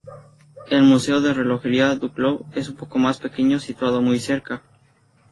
El Museo de Relojería du Locle, es un poco más pequeño, situado muy cerca.